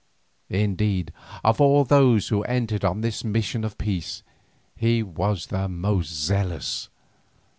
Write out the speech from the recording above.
Indeed, of all of those who entered on this mission of peace, he was the most zealous.